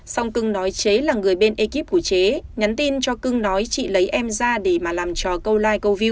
xong cưng nói chế là người bên ekip của chế nhắn tin cho cưng nói chị lấy em ra để mà làm cho câu live câu view